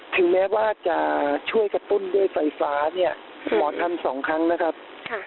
ถึงแม้ว่าจะช่วยกระตุ้นด้วยไฟฟ้าเนี่ยหมอทำ๒ครั้งนะครับ